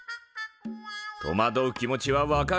とまどう気持ちは分かる。